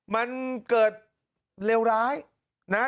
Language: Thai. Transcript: มันเกิดเลวร้ายนะ